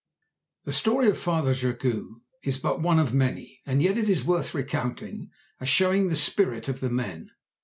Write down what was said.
The story of Father Jogue is but one of many, and yet it is worth recounting, as showing the spirit of the men.